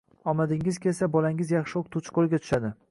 – omadingiz kelsa, bolangiz yaxshi o‘qituvchi qo‘liga tushadi